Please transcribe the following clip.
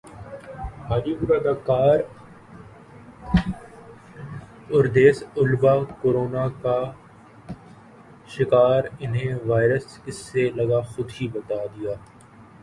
ہالی ووڈ اداکارادریس Elba corona کا شکارانہیں وائرس کس سے لگاخودہی بتادیا